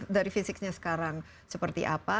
dari fisiknya sekarang seperti apa